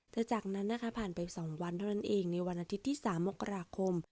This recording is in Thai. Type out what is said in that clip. แต่จากนั้นนะคะผ่านไป๒วันเท่านั้นเองในวันอาทิตย์ที่๓มกราคม